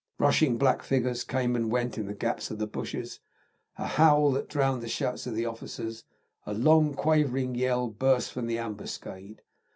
Rushing black figures came and went in the gaps of the bushes. A howl that drowned the shouts of the officers, a long quavering yell, burst from the ambuscade.